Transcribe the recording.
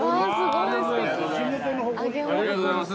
ありがとうございます。